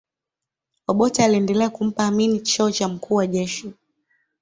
obote aliendelea kumpa amin cheo cha mkuu wa jeshi